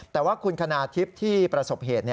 แต่ว่าคุณคณาทิพย์ที่ประสบเหตุ